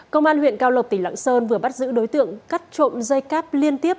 công an huyện cao lộc tỉnh lạng sơn vừa bắt giữ đối tượng cắt trộm dây cáp liên tiếp